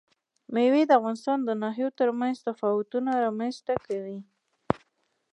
مېوې د افغانستان د ناحیو ترمنځ تفاوتونه رامنځ ته کوي.